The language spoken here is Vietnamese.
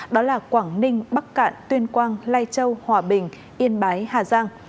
đó là quảng ninh bắc cạn tuyên quang lai châu hòa bình yên bái hà giang